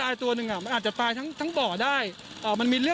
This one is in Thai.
อยากให้รัฐบาล